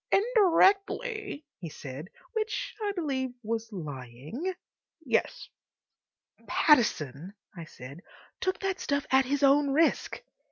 "Indirectly," he said, which I believe was lying, "yes." "Pattison," I said, "took that stuff at his own risk."